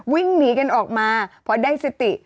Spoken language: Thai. วิ่งหนีกันออกมาพอได้สติ